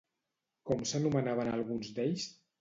Com s'anomenaven alguns d'ells?